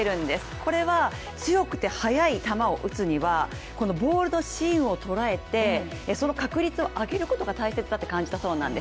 これは強くて速い球を打つにはボールの芯を捉えてその確率を上げることが大切だと感じたそうなんです。